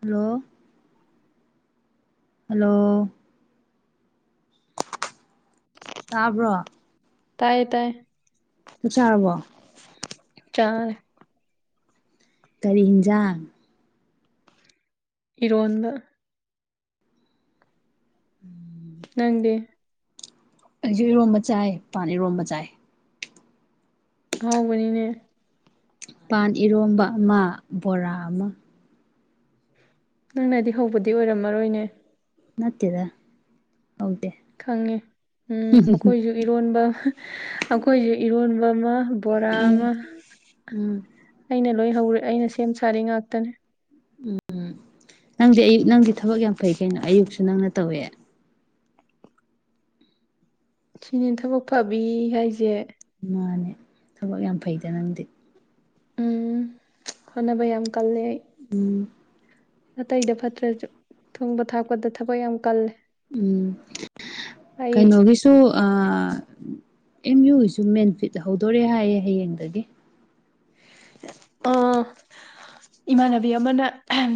hello hello ꯇꯥꯕ꯭ꯔꯣ ꯇꯥꯏꯌꯦ ꯇꯥꯏ ꯊꯁꯥꯔꯕꯣ ꯆꯥ ꯀꯔꯤ ꯍꯤꯟꯖꯥꯡ ꯏꯔꯗ ꯎꯝ ꯅꯪꯗꯦ ꯑꯩꯁꯨ ꯏꯔꯣꯝꯕ ꯆꯥꯏ ꯄꯥꯟ ꯏꯔꯣꯝꯕ ꯆꯥꯏ ꯍꯕꯅꯤꯅꯦ ꯄꯥꯟ ꯏꯔꯣꯝꯕ ꯑꯃ ꯕꯣꯔꯥ ꯑꯃ ꯅꯪꯅꯗꯤ ꯍꯧꯕꯗꯤ ꯑꯣꯏꯔꯝꯃꯔꯣꯏꯅꯦ ꯅꯠꯇꯗ ꯈꯪꯉꯦ ꯎꯝ ꯑꯩꯈꯣꯏꯁꯨ ꯏꯔꯣꯟꯕ ꯑꯩꯈꯣꯏꯁꯨ ꯏꯔꯣꯟꯕ ꯑꯃ ꯕꯣꯔꯥ ꯑꯃ ꯎꯝ ꯑꯩꯅ ꯂꯣꯏ ꯍꯧꯔꯦ ꯑꯩꯅ ꯁꯦꯝ ꯁꯥꯔꯤ ꯉꯥꯛꯇꯅꯦ ꯎꯝꯝ ꯅꯪꯗꯤ ꯑꯌꯨꯛ ꯅꯪꯗꯤ ꯊꯕꯛ ꯌꯥꯝ ꯐꯩ ꯀꯩꯅꯣ ꯑꯌꯨꯛꯁꯨ ꯅꯪꯅ ꯇꯧꯋꯦ ꯁꯤꯅꯦ ꯊꯕꯛ ꯐꯕꯤ ꯍꯥꯏꯁꯦ ꯃꯥꯅꯦ ꯊꯕꯛ ꯌꯥꯝ ꯐꯩꯗ ꯅꯪꯗꯤ ꯎꯝ ꯍꯣꯠꯅꯕ ꯌꯥꯝ ꯀꯜꯂꯦ ꯑꯩ ꯎꯝ ꯑꯅꯥꯇꯩꯗ ꯐꯠꯇ꯭ꯔꯁꯨ ꯊꯣꯡꯕ ꯊꯥꯛꯄꯗ ꯊꯕꯛ ꯌꯥꯝ ꯀꯜꯂꯦ ꯎꯝ ꯑꯩ ꯀꯩꯅꯣꯒꯤꯁꯨ ꯑ ꯑꯦꯝ ꯌꯨꯒꯤꯁꯨ ꯃꯦꯅꯤꯐꯤꯠ ꯍꯧꯗꯣꯔꯦ ꯍꯥꯏꯌꯦꯦ ꯍꯌꯦꯡꯗꯒꯤ ꯑ [unintelligible] ꯏꯃꯥꯟꯅꯕꯤ ꯑꯃꯅ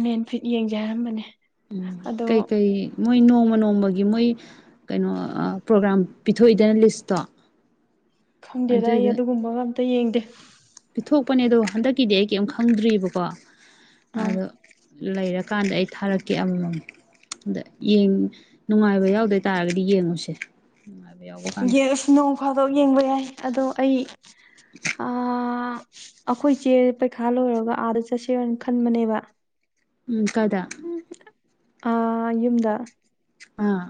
ꯃꯦꯟ ꯐꯤꯠ ꯌꯦꯡꯖꯦ ꯍꯥꯏꯔꯝꯕꯅꯦ ꯎꯝ ꯑꯗꯣ ꯀꯩꯀꯩ ꯃꯣꯏ ꯅꯣꯡꯃ ꯅꯣꯡꯃꯒꯤ ꯃꯣꯏ ꯀꯩꯅꯣ ꯄ꯭ꯔꯣꯒ꯭ꯔꯥꯝ ꯄꯤꯊꯣꯛꯏꯗꯅ ꯂꯤꯁꯇꯣ ꯈꯪꯗꯦꯗ ꯑꯩ ꯑꯗꯨꯏꯗ ꯑꯗꯨꯒꯨꯝꯕꯒ ꯑꯝꯇ ꯌꯦꯡꯗꯦ ꯀꯊꯣꯛꯄꯅꯦ ꯑꯗꯣ ꯍꯟꯗꯛꯀꯤꯗꯤ ꯑꯩ ꯀꯔꯤꯝ ꯈꯪꯗ꯭ꯔꯤꯑꯕꯀꯣ ꯑꯥ ꯑꯗꯣ ꯂꯩꯔꯀꯥꯟꯗ ꯑꯩ ꯊꯥꯔꯛꯀꯦ ꯑꯃꯃꯝ ꯑꯗ ꯅꯨꯡꯉꯥꯏꯕ ꯌꯥꯎꯗꯣꯏ ꯇꯥꯔꯒꯗꯤ ꯌꯦꯡꯉꯨꯁꯦ ꯌꯥꯎꯕ ꯀꯥꯟꯗ ꯌꯦꯁ ꯅꯣꯡ ꯐꯥꯗꯣꯛ ꯌꯦꯡꯕ ꯌꯥꯏ ꯑꯗꯣ ꯑꯩ ꯑꯩꯈꯣꯏ ꯆꯦ ꯄꯩꯈꯥ ꯂꯣꯏꯔꯒ ꯑꯥꯗ ꯆꯠꯁꯦꯔꯅ ꯈꯟꯕꯅꯦꯕ ꯎꯝ ꯀꯗꯥ ꯌꯨꯝꯗ ꯑꯥ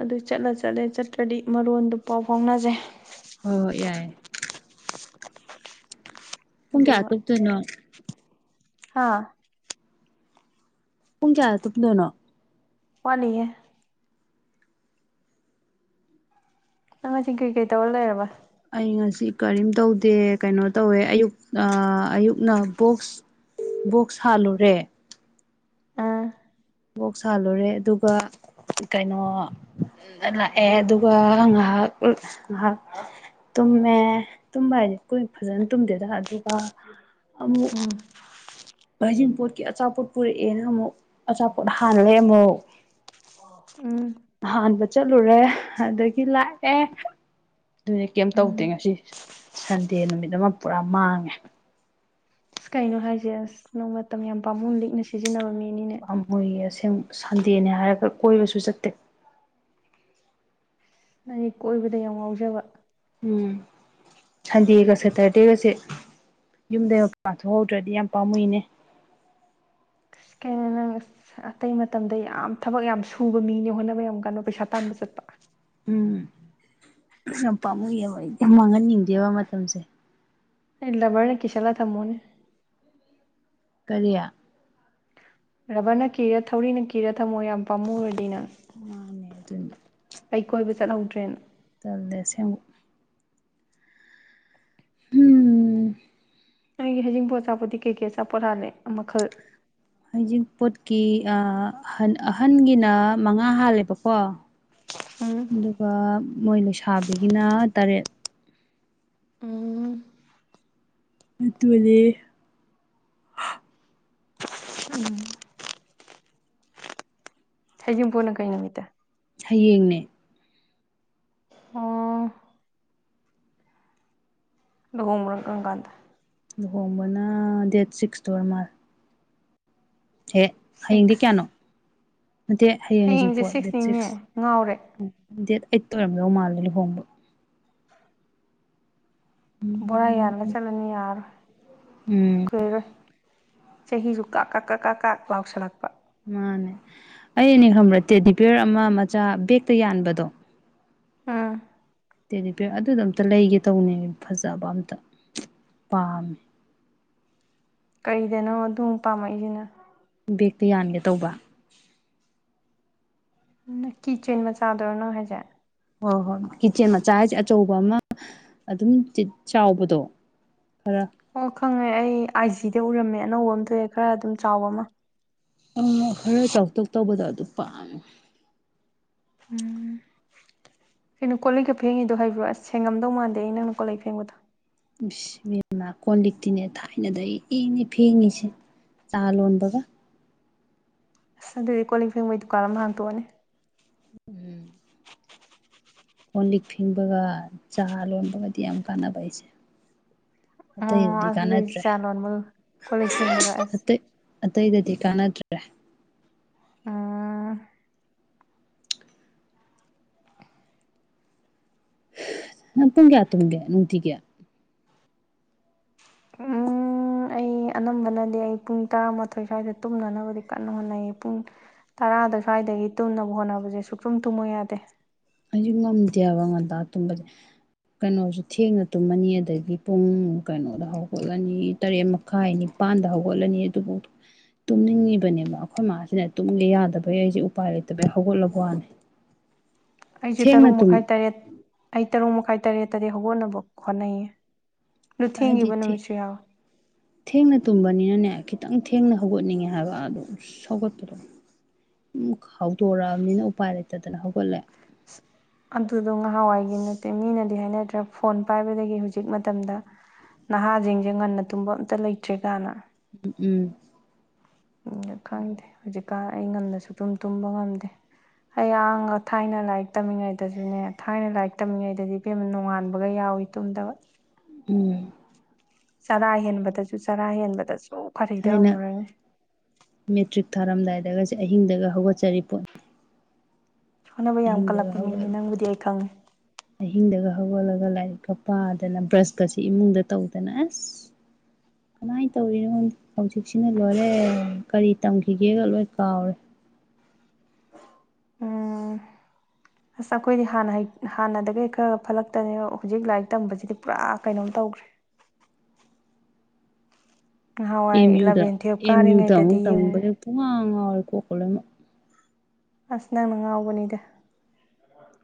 ꯑꯗꯨ ꯆꯠꯂ ꯆꯠꯂꯦ ꯆꯠꯇ꯭ꯔꯗꯤ ꯃꯔꯣꯟꯗꯨ ꯄꯥꯎ ꯐꯥꯎꯅꯖꯩ ꯍꯣꯏ ꯌꯥꯏ ꯄꯨꯡ ꯀꯌꯥ ꯇꯧꯇꯣꯏꯅꯣ ꯑꯥ ꯄꯨꯡ ꯀꯌꯥꯗ ꯇꯨꯞꯅꯣꯏꯅꯣ ꯋꯥꯅꯤꯌꯦ ꯅꯪ ꯉꯁꯤ ꯀꯩꯀꯩ ꯇꯧꯔ ꯂꯩꯔꯕ ꯑꯩ ꯉꯁꯤ ꯀꯔꯤꯝ ꯇꯧꯗꯦ ꯀꯩꯅꯣ ꯇꯧꯋꯦ ꯑꯌꯨꯛ ꯑꯌꯨꯛꯅ ꯕꯣꯛꯁ ꯕꯣꯛꯁ ꯍꯥꯜꯂꯨꯔꯦ ꯑꯥ ꯕꯣꯛ ꯁꯥꯜꯂꯨꯔꯦ ꯑꯗꯨꯒ ꯀꯩꯅꯣ ꯂꯥꯛꯑꯦ ꯑꯗꯨꯒ ꯉꯥꯏꯍꯥꯛ ꯉꯥꯏꯍꯥꯛ ꯇꯨꯝꯃꯦ ꯇꯨꯝꯕ ꯍꯥꯏꯗꯤ ꯀꯨꯏ ꯐꯖꯅ ꯇꯨꯝꯗꯦꯗ ꯑꯗꯨꯒ ꯎꯝ ꯍꯩꯖꯤꯡ ꯄꯣꯠꯀꯤ ꯑꯆꯥꯄꯣꯠ ꯄꯨꯔꯛꯑꯦꯅ ꯑꯃꯨꯛ ꯑꯆꯥꯄꯣꯠ ꯍꯜꯂꯦ ꯑꯃꯨꯛ ꯎꯝ ꯑꯍꯥꯟꯕ ꯆꯠꯂꯨꯔꯦ ꯑꯗꯒꯤ ꯂꯥꯛꯑꯦ ꯑꯗꯨꯗꯤ ꯀꯩꯝ ꯎꯝ ꯇꯧꯗꯦ ꯉꯁꯤ ꯁꯟꯗꯦ ꯅꯨꯃꯤꯠ ꯑꯃ ꯄꯨꯔꯥ ꯃꯥꯡꯉꯦ ꯑꯁ ꯀꯩꯅꯣ ꯍꯥꯏꯁꯦ ꯑꯁ ꯅꯣꯡ ꯃꯇꯝ ꯌꯥꯝ ꯄꯥꯃꯅ ꯂꯤꯛꯅ ꯁꯤꯖꯤꯟꯅꯕꯅꯤ ꯄꯝꯃꯨꯌꯦ ꯑꯁꯦꯡ ꯁꯟꯗꯦꯅꯦ ꯍꯥꯏꯔꯒ ꯀꯣꯏꯕꯁꯨ ꯆꯠꯇꯦ ꯅꯪꯒꯤ ꯀꯣꯏꯕꯗ ꯌꯥꯝ ꯉꯥꯎꯖꯕ ꯎꯝ ꯍꯥꯏꯗꯤꯒ ꯁꯦꯇꯔꯗꯦꯒꯁꯦ ꯌꯨꯝꯗ ꯄꯥꯡꯊꯣꯛꯍꯧꯗ꯭ꯔꯗꯤ ꯌꯥꯝ ꯄꯥꯝꯃꯨꯏꯅꯦ ꯁꯀ ꯅꯪ ꯑꯁ ꯑꯇꯩ ꯃꯇꯝꯗ ꯌꯥꯝ ꯊꯕꯛ ꯌꯥꯝ ꯁꯨꯕ ꯃꯤꯅꯦ ꯍꯣꯠꯅꯕ ꯌꯥꯝ ꯀꯟꯅꯣ ꯄꯩꯁꯥ ꯇꯥꯟꯕ ꯆꯠꯄ ꯎꯝ ꯌꯥꯝ ꯄꯥꯝꯃꯨꯑꯕ ꯑꯩ ꯃꯥꯡꯍꯟꯅꯤꯡꯗꯦꯕ ꯃꯇꯝꯁꯦ ꯏꯂꯕꯔꯅꯀꯤꯁꯂ ꯊꯝꯃꯣꯅꯤ ꯀꯔꯤꯌꯥ ꯔꯕꯔꯅ ꯀꯤꯔ ꯊꯧꯔꯤꯅ ꯀꯤꯔ ꯊꯝꯃꯣ ꯌꯥꯝ ꯄꯥꯝꯃꯨ ꯑꯣꯏꯔꯗꯤꯅ ꯃꯥꯅꯦ ꯑꯗꯨ ꯑꯩ ꯀꯣꯏꯕ ꯆꯠꯍꯧꯗ꯭ꯔꯦꯅ ꯆꯜꯗ ꯁꯦꯝ ꯎꯝ ꯑꯩꯒꯤ ꯍꯖꯤꯡꯕꯣ ꯑꯆꯥꯄꯣꯠꯗꯤ ꯀꯩꯀꯩ ꯑꯆꯥꯄꯣꯠ ꯍꯥꯥꯜꯂ ꯃꯈꯜ ꯍꯧꯖꯤꯛ ꯄꯣꯠꯀꯤ ꯑꯟ ꯑꯍꯟꯒꯤꯅ ꯃꯉꯥ ꯍꯥꯜꯂꯦꯕꯀꯣ ꯎꯝ ꯑꯗꯨꯒ ꯃꯣꯏ ꯂꯩꯣꯏꯁꯥꯕꯤꯒꯤꯅ ꯇꯔꯦꯠ ꯎꯝ ꯃ ꯑꯣꯏꯂ ꯎꯝ ꯍ ꯌꯨꯝ ꯄꯣꯟꯅ ꯀꯩ ꯅꯨꯃꯤꯠꯇ ꯍꯌꯦꯡꯅꯦ ꯑ ꯂꯣꯡꯝꯔꯒꯒꯗ ꯂꯨꯍꯣꯡꯕꯅ ꯗꯦꯠ ꯁꯤꯛꯁꯇ ꯑꯣꯏꯔ ꯃꯥꯜ ꯍꯦ ꯍꯌꯦꯡꯗꯤ ꯀꯌꯥꯅꯣ ꯁꯤꯛꯁ ꯅꯠꯇꯦ ꯍꯌꯦꯡ ꯍꯌꯦꯡꯁꯦ ꯍꯖꯤꯛꯄꯣꯠ ꯗꯦꯠ ꯁꯤꯛꯁ ꯁꯤꯛꯁꯅꯤꯅꯦ ꯉꯥꯎꯔꯦ ꯎ ꯗꯦꯠ ꯑꯦꯠꯇꯔꯝꯕꯣ ꯃꯥꯂ ꯍꯕ ꯕꯣꯔꯥ ꯌꯥꯜꯂ ꯆꯠꯂꯅꯤ ꯌꯥꯔꯣꯏ ꯎꯝ ꯀꯩꯔꯣꯏ ꯆꯍꯤꯁꯨ ꯀ ꯀ ꯀ ꯀ ꯀ ꯂꯥꯎꯁꯜꯂꯛꯄ ꯃꯥꯅꯦ ꯑꯩꯅꯦ ꯈꯪꯕ꯭ꯔ ꯇꯦ ꯗꯤꯄꯌꯔ ꯑꯃ ꯃꯆꯥ ꯕꯦꯛꯇ ꯌꯥꯟꯕꯗꯣ ꯑꯝ ꯇꯦꯂꯤꯄꯦꯛ ꯑꯗꯨꯗ ꯑꯝꯇ ꯂꯩꯒꯦ ꯇꯧꯅꯤ ꯐꯖꯕ ꯑꯝꯇ ꯄꯥꯝꯃꯦ [unintelligible] ꯀꯩꯗꯅꯣ ꯑꯗꯨꯝ ꯄꯥꯝꯃꯛꯏꯁꯤꯅ ꯕꯦꯛꯇ ꯌꯥꯟꯒꯦ ꯇꯧꯕ ꯀꯤ ꯆꯦꯟ ꯃꯆꯥꯥꯗꯣꯏꯔꯅꯣ ꯍꯥꯏꯁꯦ ꯍꯣꯏ ꯍꯣꯏ ꯀꯤꯠꯆꯦꯟ ꯃꯆꯥ ꯍꯥꯏꯁꯦ ꯑꯆꯧꯕ ꯑꯃ ꯑꯗꯨꯝ ꯆꯥꯎꯕꯗꯣ ꯈꯔ ꯑꯣ ꯈꯪꯉꯦ ꯑꯩ ꯑꯥꯏꯖꯤꯗ ꯎꯔꯝꯃꯦ ꯑꯅꯧꯕ ꯑꯃ ꯊꯣꯛꯑꯦ ꯈꯔ ꯑꯗꯨꯝ ꯆꯥꯎꯕ ꯑꯃ ꯑ ꯈꯔ ꯆꯥꯎꯊꯣꯛ ꯇꯧꯕꯗꯣ ꯑꯗꯨ ꯄꯥꯝꯃꯦ ꯎꯝ ꯀ ꯅꯀꯣꯜꯂꯩꯒ ꯐꯦꯡꯉꯤꯗꯣ ꯍꯥꯏꯕꯤ꯭ꯔꯣ ꯑꯁ ꯊꯦꯡꯉꯝꯗꯧ ꯃꯥꯟꯗꯦ ꯑꯩ ꯅꯪ ꯅꯨꯀꯣꯜꯂ ꯐꯦꯡꯕꯗꯣ ꯃ ꯀꯣ ꯂꯤꯛꯇꯤꯅꯦ ꯊꯥꯏꯅꯗ ꯑꯩ ꯏꯡꯅꯤ ꯐꯦꯡꯉꯁꯦ ꯆꯥ ꯂꯣꯟ ꯕ ꯑꯁ ꯑꯗꯨꯗꯤ ꯀꯣꯜꯂꯤꯛ ꯐꯦꯡꯕꯩ ꯗꯨꯀꯥꯟ ꯑꯃ ꯍꯥꯡꯇꯣꯛꯑꯅꯤ ꯎꯝ ꯀꯣꯟ ꯂꯤꯛ ꯐꯤꯡꯕꯒ ꯆꯥ ꯂꯣꯟꯕꯒꯗꯤ ꯌꯥꯝ ꯀꯥꯟꯅꯕ ꯑꯩꯁꯦ ꯑꯣ ꯑꯇꯩꯗꯨꯗꯤ ꯑꯗꯨꯗꯤ ꯀꯥꯟꯅꯗ꯭ꯔꯦ ꯆꯥ ꯂꯣꯟꯕ ꯀꯣꯜ ꯂꯤꯛ ꯐꯦꯡꯕꯒ ꯑꯁ ꯑꯇꯩ ꯑꯇꯩꯗꯗꯤ ꯀꯥꯟꯅꯗ꯭ꯔꯦ ꯑ ꯄꯨꯡꯒꯤ ꯇꯨꯡꯒꯦ ꯅꯨꯡꯇꯤꯒꯤ ꯎꯝ ꯑꯩ ꯑꯅꯝꯕꯅꯗꯤ ꯑꯩ ꯄꯨꯡ ꯇꯔꯥꯃꯥꯊꯣꯏ ꯁ꯭ꯋꯥꯏꯗ ꯇꯨꯝꯅꯅꯕꯗꯤ ꯀꯟꯅ ꯍꯣꯠꯅꯩꯌꯦ ꯄꯨꯡ ꯇꯔꯥ ꯁ꯭ꯋꯥꯏꯗ ꯑꯗꯒꯤ ꯇꯨꯅꯕ ꯍꯣꯠꯅꯕꯁꯦ ꯁꯨꯀꯨꯝ ꯇꯨꯝꯃꯨ ꯌꯥꯗꯦ ꯑꯩꯁꯨ ꯉꯝꯗꯦꯕ ꯉꯟꯗ ꯇꯨꯝꯕꯁꯦ ꯀꯩꯅꯣꯁꯤ ꯊꯦꯡꯅ ꯇꯨꯝꯃꯅꯤ ꯑꯗꯒꯤ ꯄꯨꯡ ꯀꯩꯅꯣꯗ ꯍꯧꯒꯠꯂꯅꯤ ꯇꯔꯦꯠ ꯃꯈꯥꯏꯅꯤ ꯄꯥꯟꯗ ꯍꯒꯣꯜꯅꯤ ꯑꯗꯨꯕꯨ ꯇꯨꯝꯅꯤꯡꯉꯤꯕꯅꯦꯕ ꯑꯩꯈꯣꯏ ꯃꯥꯁꯤꯅ ꯇꯨꯝꯒꯦ ꯌꯥꯗꯕꯩ ꯑꯩꯁꯦ ꯎꯄꯥꯏ ꯂꯩꯇꯕꯩ ꯍꯧꯒꯠꯂꯕ ꯋꯥꯅꯤ [inaudible] ꯑꯩꯁꯨ ꯊꯦꯡꯅ ꯇꯔꯨꯛ ꯇꯨꯝ ꯃꯈꯥꯏ ꯇꯔꯦꯠ ꯑꯩ ꯇꯔꯨꯛ ꯃꯈꯥꯏ ꯇꯔꯦꯠꯇꯗꯤ ꯍꯧꯒꯠꯅꯕ ꯍꯣꯠꯅꯩꯌꯦ ꯑꯗꯨ ꯍꯥꯏ ꯏ ꯊꯦꯡꯈꯤꯕ ꯊ ꯅꯨꯃꯤꯠꯁꯨ ꯌꯥꯎꯋꯦ ꯊꯦꯡꯅ ꯇꯨꯝꯅꯤ ꯅꯅꯦ ꯈꯤꯇꯪ ꯊꯦꯡꯅ ꯍꯧꯒꯠꯅꯤꯡꯉꯦ ꯍꯥꯏꯕ ꯑꯗꯨꯝ ꯁꯧꯒꯠꯄꯗꯣ ꯎꯝ ꯍꯧꯗꯣꯔꯛꯑꯕꯅꯤꯅ ꯎꯄꯥꯏ ꯂꯩꯇꯗꯅ ꯍꯧꯒꯠꯂꯦ ꯑꯗꯨꯗꯣ ꯉꯍꯥꯟꯋꯥꯏꯒꯤ ꯅꯠꯇꯦ ꯃꯤꯅꯗꯤ ꯍꯥꯏꯅꯗ꯭ꯔꯥ ꯐꯣꯟ ꯄꯥꯏꯕꯗꯒꯤ ꯍꯧꯖꯤꯛ ꯃꯇꯝꯗ ꯅꯍꯥꯁꯤꯡꯁꯦ ꯉꯟꯅ ꯇꯨꯝꯕ ꯑꯝꯇ ꯂꯩꯇ꯭ꯔꯦ ꯀꯥꯏꯅ ꯎꯝ ꯎꯝ ꯎ ꯈꯪꯗꯦ ꯍꯧꯖꯤꯛꯀꯥꯟ ꯑꯩ ꯉꯅꯁꯨ ꯑꯗꯨꯝ ꯇꯨꯝꯕ ꯉꯝꯗꯦ ꯑꯩ ꯑꯥꯡ ꯊꯥꯏꯅ ꯂꯥꯏꯔꯤꯛ ꯇꯝꯃꯤꯉꯩꯗꯁꯨꯅꯦ ꯊꯥꯏꯅ ꯂꯥꯏꯔꯤꯛ ꯇꯝꯃꯤꯉꯩꯗꯗꯤ ꯐꯤ ꯅꯣꯉꯥꯟꯕꯒ ꯌꯥꯎꯋ ꯇꯥꯎꯏ ꯇꯨꯝꯗꯕ ꯎꯝ ꯆꯔꯥ ꯍꯦꯟꯕꯗꯁꯨ ꯆꯔꯥ ꯍꯦꯟꯕꯗꯁꯨ ꯐꯔꯤꯗ ꯍꯥꯏꯅ ꯍꯪꯉꯨꯔꯅꯦ ꯃꯦꯇ꯭ꯔꯤꯛ ꯊꯥꯔꯝꯗꯥꯏꯗꯒ ꯆꯠ ꯑꯍꯤꯡꯗꯒ ꯍꯧꯒꯠꯆꯔꯤ ꯄꯣꯠꯅꯤ ꯍꯣꯠꯅꯕ ꯌꯥꯝ ꯑꯍꯤꯡꯗꯒ ꯀꯜꯂꯛꯄ ꯃꯤꯅꯦ ꯍꯧꯒꯠꯂꯦ ꯅꯪꯕꯨꯗꯤ ꯑꯩ ꯈꯪꯉꯦ ꯑꯍꯤꯡꯗꯒ ꯍꯧꯒꯠꯂꯒ ꯂꯥꯏꯔꯤꯛꯀ ꯄꯥꯗꯅ ꯕ꯭ꯔꯁꯀꯁꯤ ꯏꯃꯨꯡꯗ ꯇꯧꯗꯅ ꯑꯁ ꯀꯃꯥꯏꯅ ꯇꯧꯔꯤꯅꯣꯉꯣꯟꯗ ꯍꯧꯖꯤꯛꯁꯤꯅ ꯂꯣꯏꯔꯦ ꯀꯔꯤ ꯇꯝꯈꯤꯒꯦꯒ ꯂꯣꯏ ꯀꯥꯎꯔꯦ [inaudible] ꯎꯝ [inaudible] ꯑꯁ ꯑꯩꯈꯣꯏꯗꯤ ꯍꯥꯟꯅ ꯍꯥꯟꯅꯒ ꯈꯔ ꯐꯠꯂꯛꯇꯅꯦ ꯍꯧꯖꯤꯛ ꯂꯥꯏꯔꯤꯛ ꯇꯝꯕꯁꯤꯗꯤ ꯄꯨꯔꯥ ꯀꯩꯅꯣꯝ ꯇꯧꯈ꯭ꯔꯦ [unintelligible] ꯑꯦꯝ ꯅꯍꯥꯟꯋꯥꯏ ꯌꯨꯗ ꯏꯂꯚꯦꯟ ꯇꯨꯌꯦꯜꯞ ꯑꯦꯝ ꯌꯨꯗ ꯀꯥꯔꯤꯉꯩꯗꯗꯤ ꯑꯃꯨꯛ ꯌꯦꯡꯉꯨꯅꯦ ꯇꯕꯗ ꯄꯨꯡꯉꯥ ꯉꯥꯎꯔꯦꯀꯣ ꯈꯣꯠꯂꯣꯏꯅ ꯑꯁꯤ ꯅꯪ ꯅꯉ ꯑꯕ ꯅꯅꯤꯗꯦ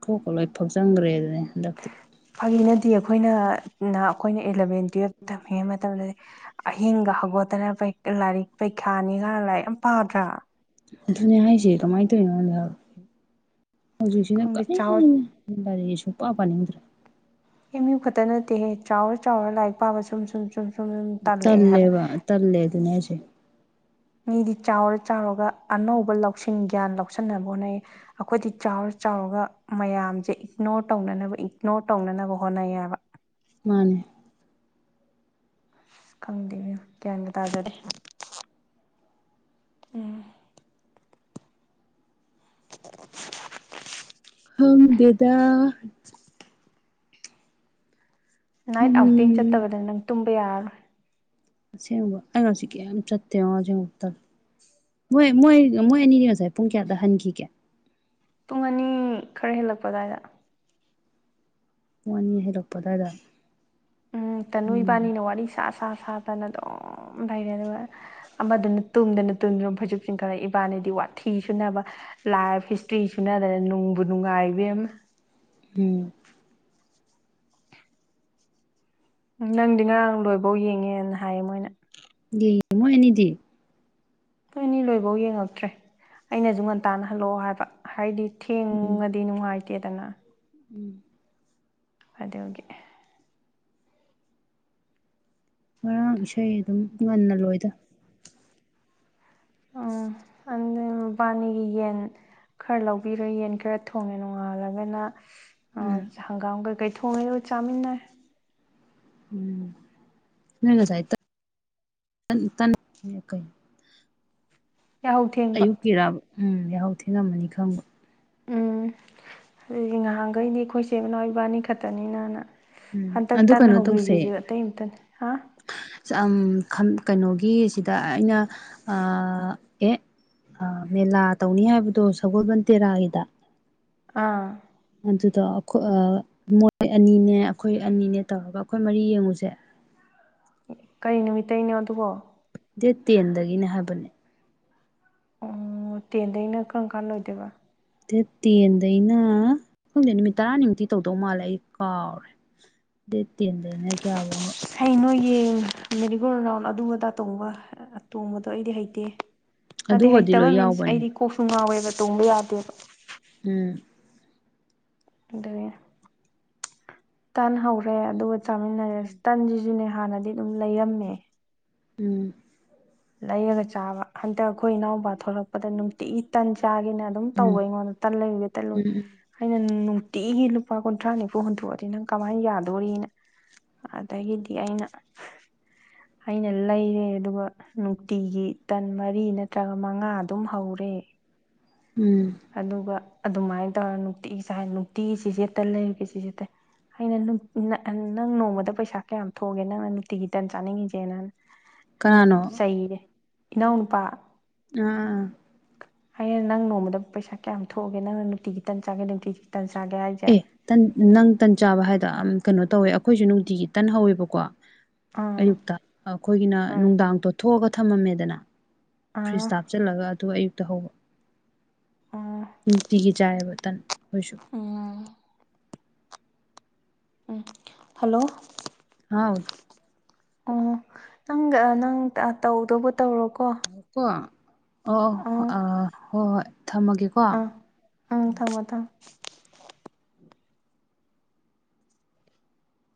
ꯀꯣ ꯀꯣ ꯂꯣꯏ ꯐꯥꯎ ꯆꯪꯈ꯭ꯔꯦ ꯑꯗꯨꯅꯦ ꯍꯟꯗꯛꯇꯤ ꯐꯒꯤꯅꯗꯤ ꯑꯩꯈꯣꯏꯅ ꯑꯩꯈꯣꯏꯅ ꯑꯦꯂꯚꯦꯟ ꯇꯨꯋꯜꯞꯇ ꯇꯝꯃꯤꯉꯩ ꯃꯇꯝꯗꯗꯤ ꯑꯍ ꯍꯧꯒꯠꯇꯅ ꯂꯥꯏꯔꯤꯛ ꯄꯔꯤꯈꯥꯅꯤꯒꯅ ꯂꯥꯏꯔꯤꯛ ꯌꯥꯝ ꯄꯥꯗ꯭ꯔꯥ ꯑꯗꯨꯅꯦ ꯍꯥꯏꯁꯦ ꯀꯃꯥꯏꯅ ꯇꯧꯋꯅꯤ ꯑꯩꯉꯣꯟꯗꯛꯦ ꯍꯧꯖꯤꯛꯁꯤꯅ ꯀ ꯈꯪꯗꯦ ꯆꯥꯎꯔ ꯂꯔꯤ ꯁꯨꯡ ꯄ ꯄꯥꯅꯤꯡꯗ꯭ꯔꯦ ꯑꯦꯝ ꯌꯨ ꯈꯛꯇ ꯅꯠꯇꯦꯍꯦ ꯆꯥꯎꯔ ꯆꯥꯎꯔ ꯂꯥꯏꯔꯤꯛ ꯄꯥꯕ ꯁꯨꯝ ꯁꯨꯝ ꯁꯨꯝ ꯁꯨꯝ ꯇꯜꯂꯛꯑꯦ ꯍꯥꯏꯕ ꯇꯜꯂꯦꯕ ꯇꯜꯂꯦ ꯑꯗꯨꯅꯦ ꯍꯥꯏꯁꯦ ꯃꯤꯗꯤ ꯆꯥꯎꯔ ꯆꯥꯎꯔꯒ ꯑꯅꯧꯕ ꯂꯧꯁꯤꯡ ꯒ꯭ꯌꯥꯟ ꯂꯧꯁꯤꯟꯅꯕ ꯍꯣꯠꯅꯩ ꯑꯩꯈꯣꯏꯗꯤ ꯆꯥꯎꯔ ꯆꯥꯎꯔꯒ ꯃꯌꯥꯝꯁꯦ ꯏꯛꯅꯣꯔ ꯇꯧꯅꯅꯕ ꯏꯛꯅꯣꯔ ꯇꯧꯅꯅꯕ ꯍꯣꯠꯅꯩꯌꯦꯕ ꯃꯥꯅꯦ ꯑꯁ ꯈꯪꯗꯦꯅꯦ ꯒ꯭ꯌꯥꯟꯒ ꯇꯥꯖꯔꯦ ꯎꯝ [unintelligible] ꯈꯪꯗꯦꯗ [unintelligible] ꯅꯥꯏꯠ ꯑꯥꯎꯇꯤꯡ ꯎꯝ ꯆꯠꯇꯕꯗ ꯅꯪ ꯇꯨꯝꯕ ꯌꯥꯔꯔꯣꯏ ꯑꯁꯦꯡꯕ ꯑꯩꯩꯅꯁꯤ ꯀꯦ ꯆꯠꯇꯦꯣꯖꯛꯇ ꯃꯣꯏ ꯃꯣꯏ ꯃꯣꯏ ꯑꯅꯤꯅꯤ ꯉꯁꯥꯏ ꯄꯨꯡ ꯀꯌꯥꯗ ꯍꯟꯈꯤꯒꯦ ꯄꯨꯡ ꯑꯅꯤ ꯈꯔ ꯍꯦꯜꯂꯛꯄ ꯑꯗꯨꯋꯥꯏꯗ ꯋꯥꯟ ꯌꯔ ꯍꯩꯂꯛꯄ ꯑꯗꯨꯋꯥꯏꯗ ꯎꯝ ꯇ ꯎꯝ ꯅꯨꯏꯕꯥꯅꯤꯅ ꯋꯥꯔꯤ ꯁꯥ ꯁꯥ ꯃꯁꯥ ꯇꯅ ꯑꯗꯨꯝ ꯂꯩꯔꯦ ꯑꯗꯨꯒ ꯑꯃꯗꯅ ꯇꯨꯝꯗꯅ ꯇꯨꯝꯗꯅ ꯐꯣꯏꯖꯨꯞꯁꯤꯡ ꯈꯔ ꯏꯕꯥꯅꯤꯗꯤ ꯄꯥꯊꯤ ꯁꯨꯅꯕ ꯂꯥꯏꯐ ꯍꯤꯁꯇ꯭ꯔꯤ ꯁꯨꯅꯗꯅ ꯅꯨꯡꯕꯨ ꯅꯨꯡꯉꯥꯏꯕ ꯑꯃ ꯍꯝ ꯅꯪꯗꯤ ꯉꯔꯥꯡ ꯂꯣꯏꯕꯧ ꯌꯦꯡꯉꯦꯅ ꯍꯥꯏꯌꯦ ꯃꯣꯏꯅ ꯗ ꯃꯣꯏ ꯑꯦꯅꯤꯗꯤ ꯅꯣꯏ ꯑꯅꯤ ꯂꯣꯏꯐꯧ ꯌꯦꯡꯉꯛꯇ꯭ꯔꯦ ꯑꯩꯅꯁꯨ ꯉꯟ ꯇꯥꯟꯅꯍꯜꯂꯛꯑꯣ ꯍꯥꯏꯕ ꯍꯥꯏꯗꯤ ꯎꯝ ꯊꯦꯡꯉꯗꯤ ꯅꯨꯡꯉꯥꯏꯇꯦꯗꯅ ꯎꯝ ꯑꯗ ꯑꯣꯀꯦ ꯉꯔꯥꯡ ꯏꯁꯩ ꯑꯗꯨꯝ ꯉꯟꯅ ꯂꯣꯏꯗ ꯎꯝ [unintelligible] ꯑꯗꯨ ꯃꯕꯥꯅꯤꯒꯤ ꯌꯦꯟ ꯈꯔ ꯂꯧꯕꯤꯔꯣꯏ ꯌꯦꯟ ꯈꯔ ꯊꯣꯡꯉꯦ ꯅꯣꯡꯉꯥꯜꯂꯒꯅ ꯑ ꯎꯝ ꯍꯪꯒꯥꯝ ꯀꯩꯀꯩ ꯊꯣꯡꯉꯦ ꯂꯣꯏ ꯆꯥꯃꯤꯟꯅꯔ ꯎꯝꯉꯁꯥꯏ ꯌꯥꯍꯧ ꯊꯦꯡꯕ ꯎꯝ ꯌꯥꯍꯧ ꯊꯦꯡꯉꯝꯃꯅꯤ ꯈꯪꯕ ꯎꯝ ꯑꯗꯨꯗꯤ ꯉꯍꯥꯟꯈꯩꯗꯤ ꯑꯩꯈꯣꯏ ꯏꯆ ꯏꯅꯥꯎ ꯏꯕꯥꯅꯤ ꯈꯛꯇꯅꯤꯅꯅ ꯎꯝ ꯍꯟꯇꯛ ꯑꯗꯨ ꯇꯟꯅ ꯀꯩꯅꯣ ꯍꯧꯕꯣꯏꯖꯦꯁꯨꯨ ꯑꯇꯩꯇꯅꯤ ꯑ ꯀꯩꯅꯣꯒꯤꯁꯤꯗ ꯑꯩꯅ ꯑꯦ ꯑ ꯃꯦꯂꯥ ꯇꯧꯅꯤ ꯍꯥꯏꯕꯗꯣ ꯁꯒꯣꯜꯕꯟ ꯇꯦꯔꯥꯒꯤꯗ ꯑꯥ ꯑꯗꯨꯗꯣ ꯑꯩꯣꯏ ꯃꯣꯔꯦ ꯑꯅꯤꯅꯦ ꯑꯩꯈꯣꯏ ꯑꯅꯤꯅꯦ ꯇꯧꯔꯒ ꯑꯩꯈꯣꯏ ꯃꯔꯤ ꯌꯦꯡꯉꯨꯁꯦ [unintelligible] ꯀꯔꯤ ꯅꯨꯃꯤꯠꯇꯒꯤꯅꯣ ꯑꯗꯨꯕꯣ ꯗꯦꯠ ꯇꯦꯟꯗꯒꯤꯅꯦ ꯍꯥꯏꯕꯅꯦ ꯑꯣ ꯇꯦꯟꯗꯩꯅ ꯀꯔꯝ ꯀꯥꯟ ꯂꯣꯏꯗꯣꯏꯕ ꯗꯦꯠ ꯇꯦꯟꯗꯩꯅ ꯈꯈꯪꯗꯦ ꯅꯨꯃꯤꯠ ꯇꯔꯥꯅꯤꯃꯨꯛꯇꯤ ꯇꯧꯗꯧ ꯃꯥꯜꯂꯦ ꯑꯩ ꯀꯥꯎꯔꯦ ꯗꯠꯇꯗ ꯏꯩꯅ ꯀꯌꯥꯕꯅ ꯌꯦꯡ ꯃꯦꯔꯤꯒꯣꯜ ꯔꯥꯎꯟ ꯑꯗꯨꯗꯇꯣꯡꯕ ꯇꯣꯡꯕꯗꯣ ꯑꯩꯗꯤ ꯍꯩꯇꯦ ꯑꯗꯩ ꯑꯗꯨꯒꯗꯤ ꯍꯩꯇꯕ ꯂꯣꯏ ꯃꯤꯟꯁ ꯌꯥꯎꯕꯅꯦ ꯑꯩꯗꯤ ꯀꯣꯛꯁꯨ ꯉꯥꯎꯋꯦꯕ ꯇꯣꯡꯕ ꯌꯥꯗꯦꯕ ꯎꯝ ꯑꯗꯨ ꯇꯟ ꯍꯧꯔꯦ ꯑꯗꯨꯒ ꯆꯥꯃꯤꯟꯅꯔꯁꯤ ꯇꯟꯁꯤꯁꯨꯅꯦ ꯍꯥꯟꯅꯗꯤ ꯑꯗꯨꯝ ꯂꯩꯔꯝꯃꯦ ꯎꯝ ꯂꯩꯔꯒ ꯆꯥꯕ ꯍꯟꯗꯛ ꯑꯩꯈꯣꯏ ꯏꯅꯥꯎꯄꯥ ꯊꯣꯛꯂꯛꯄ ꯄꯗ ꯅꯨꯡꯇꯤꯒꯤ ꯇꯟ ꯆꯥꯒꯦꯅ ꯑꯗꯨꯝ ꯇꯧꯕ ꯎꯝ ꯑꯩꯉꯣꯟꯗ ꯇꯟ ꯂꯩꯔꯨꯒꯦ ꯎꯝ ꯇꯠꯂꯨꯦ ꯎꯝ ꯍꯥꯏꯩꯅ ꯅꯨꯡꯇꯤꯒꯤ ꯂꯨꯄꯥ ꯀꯨꯟꯊ꯭ꯔꯥ ꯅꯤꯐꯨ ꯍꯨꯟꯗꯣꯛꯑꯗꯤ ꯅꯪ ꯀꯃꯥꯏꯅ ꯌꯥꯗꯣꯔꯤꯅ ꯑꯗꯒꯤꯗꯤ ꯑꯩꯅ ꯑꯩꯅ ꯂꯩꯔꯦ ꯑꯗꯨꯒ ꯅꯨꯡꯇꯤꯒꯤ ꯇꯟ ꯃꯔꯤ ꯅꯠꯇ꯭ꯔꯒ ꯃꯉꯥ ꯑꯗꯨꯝ ꯍꯧꯔꯦ ꯎꯝ ꯑꯗꯨꯒ ꯑꯗꯨꯃꯥꯏꯅ ꯇꯧꯔ ꯅꯨꯡꯇꯤꯒꯤ ꯆꯥꯏ ꯅꯨꯡꯇꯤꯒꯤ ꯆꯤꯆꯦꯠꯇ ꯂꯩꯔꯒꯦ ꯆꯤꯆꯦꯠꯇ ꯑꯩꯅ ꯅꯪ ꯅꯣꯡꯃꯗ ꯄꯩꯁꯥ ꯀꯌꯥꯝ ꯊꯣꯛꯒꯦ ꯅꯪꯅ ꯅꯨꯡꯇꯤꯒꯤ ꯇꯟ ꯆꯥꯅꯤꯡꯉꯤꯁꯦ ꯅꯅ ꯑꯩꯅ ꯀꯅꯥꯅꯣ ꯆꯩꯔꯦ ꯏꯅꯥꯎꯅ ꯅꯨꯄꯥ ꯑꯥ ꯍꯥꯏꯌꯦꯡ ꯅꯪ ꯅꯣꯡꯃꯗ ꯄꯩꯁꯥ ꯀꯌꯥ ꯊꯣꯛꯑꯒꯦ ꯅꯪꯅ ꯅꯨꯡꯇꯤ ꯈꯤꯇ ꯆꯥꯒꯦ ꯅꯨꯡꯤꯒꯤ ꯈꯤꯇ ꯆꯦ ꯑꯦ ꯇꯟ ꯅꯪ ꯇꯟ ꯆꯥꯕ ꯍꯥꯏꯗꯣ ꯀꯩꯅꯣ ꯇꯧꯋꯦ ꯑꯩꯈꯣꯏꯁꯨ ꯅꯨꯡꯇꯤꯒꯤ ꯇꯟꯍꯧꯋꯦꯕꯀꯣ ꯑꯥ ꯑꯌꯨꯛꯇ ꯑꯩꯈꯣꯏꯒꯤꯅ ꯎꯝ ꯅꯨꯡꯗꯥꯡ ꯇꯣꯊꯣꯛꯑꯒ ꯊꯝꯃꯝꯃꯦꯗꯅ ꯑꯥ ꯐ꯭ꯔꯤꯖꯇ ꯍꯥꯞꯆꯜꯂꯒ ꯑꯗꯨ ꯑꯌꯨꯛꯇ ꯍꯧꯕ ꯅꯨꯡꯇꯤꯒꯤ ꯆꯥꯏꯌꯦꯕ ꯇꯟ ꯑꯩꯈꯣꯏꯁꯨ ꯎ ꯎꯝ ꯍꯜꯂꯣ ꯍꯥꯎ ꯑꯣ ꯅꯪ ꯅꯪ ꯇꯧꯗꯕꯨ ꯇꯧꯔꯣꯀꯣ ꯀꯣ ꯑꯣ ꯑꯥ ꯑ ꯍꯣꯏ ꯍꯣꯏ ꯊꯝꯃꯒꯦꯀꯣ ꯑꯥ ꯎꯝ ꯊꯝꯃꯣ ꯊꯝꯃꯣ